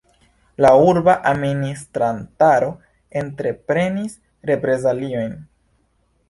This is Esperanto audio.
La urba administrantaro entreprenis reprezaliojn.